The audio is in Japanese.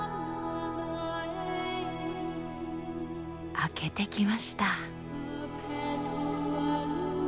明けてきました。